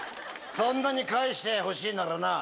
そんなに返してほしいならな